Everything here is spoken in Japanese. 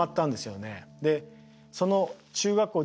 でその中学校